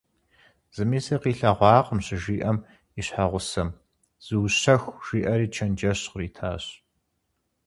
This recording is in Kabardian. Зыми сыкъилъэгъуакъым, щыжиӀэм, и щхьэгъусэм: - Зыущэху, – жиӀэри чэнджэщ къритащ.